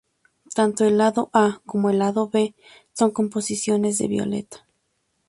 Tanto el Lado A como el Lado B son composiciones de Violeta.